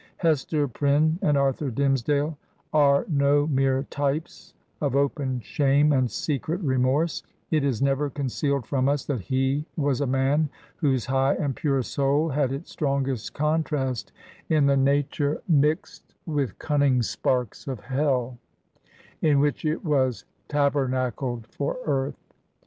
Hester Prynne and Arthur Dimmesdale are no meW^ types of open shame and secret remorseV It is never concealed from us that he was a man whose high and pure soxil had its strongest contrast in the nature "Mixt with cunning sparks of hell/' in which it was tabernacled for earth.